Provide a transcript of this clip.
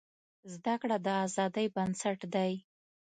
زده کړه د ازادۍ بنسټ دی.